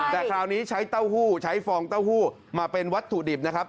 แต่คราวนี้ใช้เต้าหู้ใช้ฟองเต้าหู้มาเป็นวัตถุดิบนะครับ